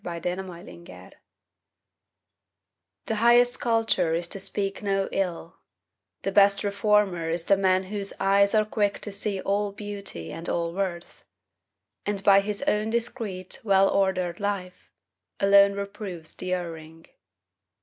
TRUE CULTURE The highest culture is to speak no ill, The best reformer is the man whose eyes Are quick to see all beauty and all worth; And by his own discreet, well ordered life, Alone reproves the erring.